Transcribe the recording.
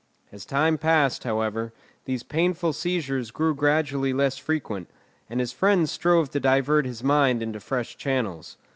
As time passed, however, these painful seizures grew gradually less frequent, and his friends strove to divert his mind into fresh channels.